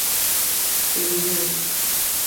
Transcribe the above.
Deliriyorum.